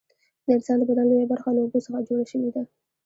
د انسان د بدن لویه برخه له اوبو څخه جوړه شوې ده